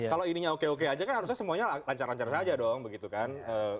kalau ininya oke oke aja kan harusnya semuanya lancar lancar saja dong begitu kan